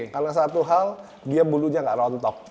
karena satu hal dia bulunya gak rontok